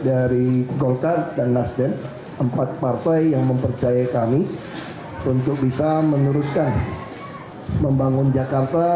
dari golkar dan nasdem empat partai yang mempercaya kami untuk bisa meneruskan membangun jakarta